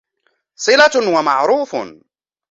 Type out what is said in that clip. صِلَةٌ وَمَعْرُوفٌ